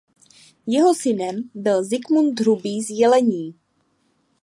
Jeho synem byl Zikmund Hrubý z Jelení.